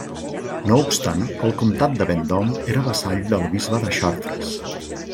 No obstant el comtat de Vendôme era vassall del bisbe de Chartres.